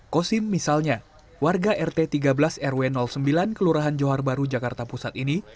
kosim misalnya warga rt tiga belas rw sembilan kelurahan johar baru jakarta pusat ini